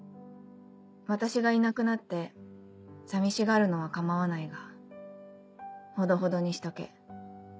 私がいなくなって寂しがるのは構わないがほどほどにしとけ。